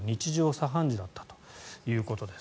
茶飯事だったということです。